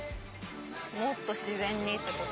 もっと自然にってこと。